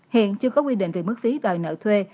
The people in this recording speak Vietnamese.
hiện chưa có quy định về mức phí đòi nợ thuê